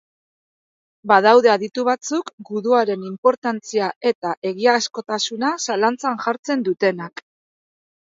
Badaude aditu batzuk guduaren inportantzia eta egiazkotasuna zalantzan jartzen dutenak.